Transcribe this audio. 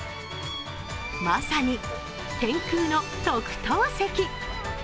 まさに、天空の特等席。